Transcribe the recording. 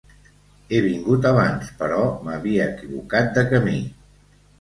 He vingut abans, però m'havia equivocat de camí.